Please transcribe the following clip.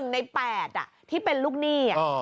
๑ใน๘ที่เป็นลูกหนี้